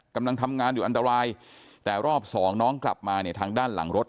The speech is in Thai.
กำลังทำงานอยู่อันตรายแต่รอบสองน้องกลับมาเนี่ยทางด้านหลังรถ